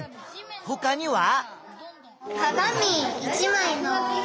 ほかには？